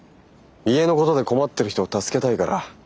家のことで困ってる人を助けたいから。